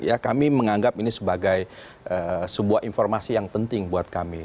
ya kami menganggap ini sebagai sebuah informasi yang penting buat kami